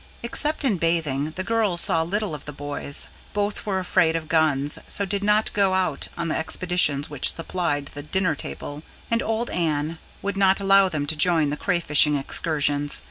Except in bathing, the girls saw little of the boys. Both were afraid of guns, so did not go out on the expeditions which supplied the dinner table; and old Anne would not allow them to join the crayfishing excursions.